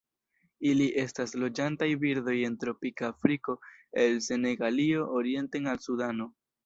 Ili estas loĝantaj birdoj en tropika Afriko el Senegalio orienten al Sudano.